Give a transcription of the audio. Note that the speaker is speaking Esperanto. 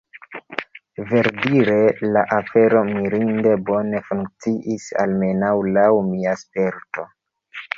Verdire la afero mirinde bone funkciis, almenaŭ laŭ mia sperto.